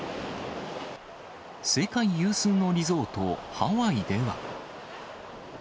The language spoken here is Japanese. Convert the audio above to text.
世界有数のリゾート、ハワイでは。